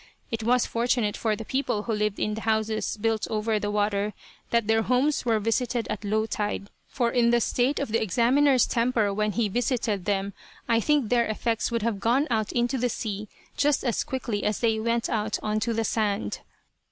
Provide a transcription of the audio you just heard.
It was fortunate for the people who lived in the houses built over the water that their homes were visited at low tide, for in the state of the examiner's temper when he visited them I think their effects would have gone out into the sea just as quickly as they went out on to the sand.